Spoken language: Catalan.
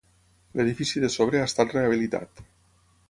L'edifici de sobre ha estat rehabilitat.